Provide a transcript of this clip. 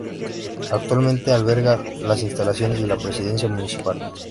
Actualmente alberga las instalaciones de la Presidencia Municipal.